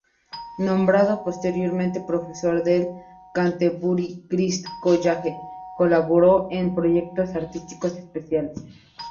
Nombrado posteriormente profesor del Canterbury Christ College, colaboró en proyectos artísticos especiales.